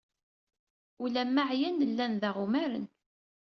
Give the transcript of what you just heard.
Ula ma ɛyan, llan daɣ umaren.